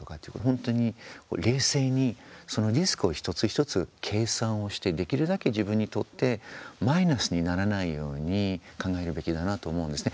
本当に冷静にそのリスクを一つ一つ計算をしてできるだけ自分にとってマイナスにならないように考えるべきだなと思うんですね。